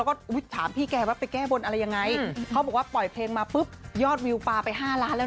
ก็เลยเครื่องเปิดมาแล้ว